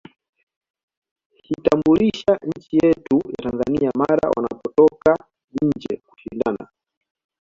Hitambulisha nchi yetu ya Tanzania mara wanapotoka nje kushindana